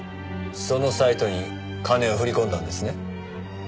そのサイトに金を振り込んだんですね？